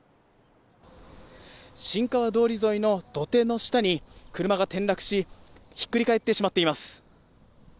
新川通沿いの土手の下に、車が転落し、ひっくり返ってしまっています。